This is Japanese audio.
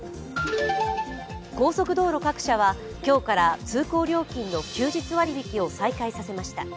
高速道路各社は今日から通行料金の休日割引を再開させました。